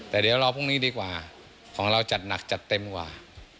แต่เดี๋ยวรอพรุ่งนี้ดีกว่าของเราจัดหนักจัดเต็มกว่า